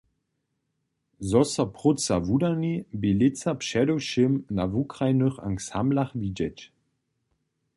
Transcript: Zo so próca wudani, bě lětsa předewšěm na wukrajnych ansamblach widźeć.